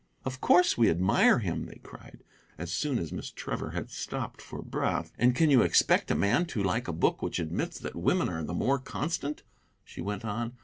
"Of course we admire him," they cried, as soon as Miss Trevor had stopped for breath. "And can you expect a man to like a book which admits that women are the more constant?" she went on.